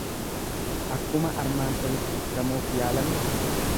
Akkuma armaan olitti ibsamuuf yaalame